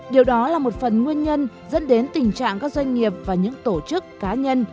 điều đó là một phần nguyên nhân dẫn đến tình trạng các doanh nghiệp và những tổ chức cá nhân